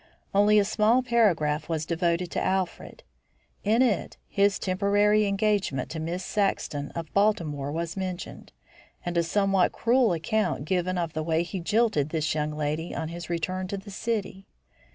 Only a small paragraph was devoted to Alfred. In it his temporary engagement to Miss Saxton of Baltimore was mentioned, and a somewhat cruel account given of the way he jilted this young lady on his return to the city.